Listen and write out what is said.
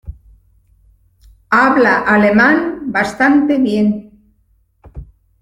Habla alemán bastante bien.